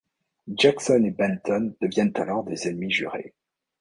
Jackson et Benton deviennent alors des ennemis jurés.